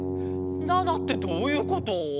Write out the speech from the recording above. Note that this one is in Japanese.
７ってどういうこと？